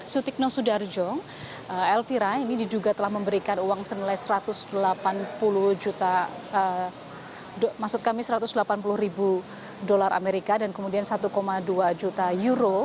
sutikno sudarjo elvira ini diduga telah memberikan uang senilai satu ratus delapan puluh juta maksud kami satu ratus delapan puluh ribu dolar amerika dan kemudian satu dua juta euro